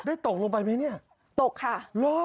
ตกลงไปไหมเนี่ยตกค่ะ